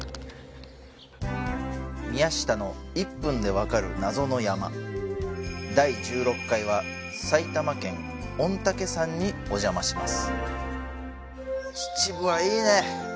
宮下の１分でわかる謎の山第１６回は埼玉県御岳山にお邪魔します